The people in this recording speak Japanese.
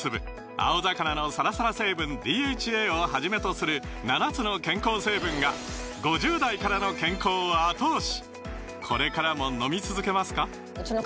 青魚のサラサラ成分ＤＨＡをはじめとする７つの健康成分が５０代からの健康を後押し！